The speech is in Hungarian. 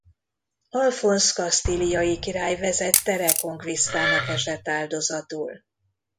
Alfonz kasztíliai király vezette reconquistának esett áldozatul.